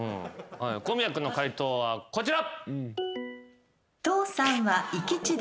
小宮君の解答はこちら。